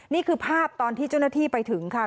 นี่คือภาพตอนที่เจ้าหน้าที่ไปถึงค่ะ